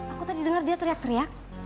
aku tadi dengar dia teriak teriak